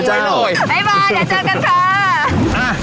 บ๊ายบายแล้วเจอกันค่ะ